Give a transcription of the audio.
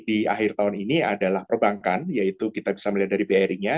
di akhir tahun ini adalah perbankan yaitu kita bisa melihat dari bri nya